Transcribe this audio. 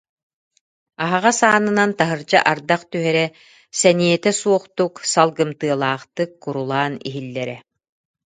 Аһаҕас аанынан таһырдьа ардах түһэрэ сэниэтэ суохтук, салгымтыалаахтык курулаан иһиллэрэ